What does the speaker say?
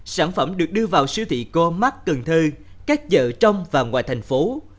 sản phẩm được đưa vào siêu thị có mắt cần thơ các chợ trong và ngoài thành phố